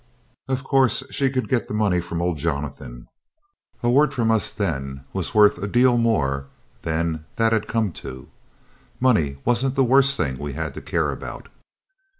Of course she could get the money from old Jonathan. A word from us then was worth a deal more than that'd come to. Money wasn't the worst thing we had to care about.